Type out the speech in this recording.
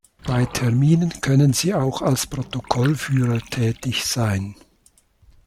Bei Terminen können sie auch als Protokollführer tätig sein.